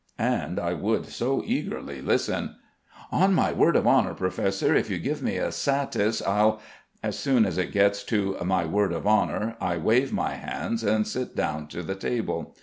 And I would so eagerly listen! "On my word of honour, Professor, if you give me a 'satis' I'll...." As soon as it gets to "my word of honour," I wave my hands and sit down to the table.